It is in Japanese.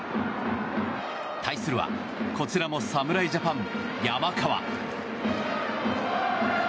対するはこちらも侍ジャパン、山川。